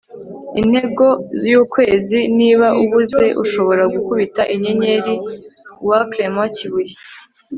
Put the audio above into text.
intego y'ukwezi. niba ubuze, ushobora gukubita inyenyeri. - w. clement kibuye